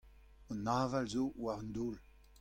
Un aval zo war an daol.